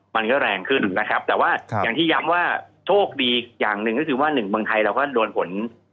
มันก็แรงขึ้นนะครับแต่ว่าอย่างที่ย้ำว่าโชคดีอย่างหนึ่งก็คือว่าหนึ่งเมืองไทยเราก็โดนผล